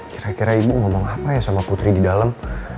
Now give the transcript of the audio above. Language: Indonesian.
kira kira ibu ngomong apa ya sama putri di dalam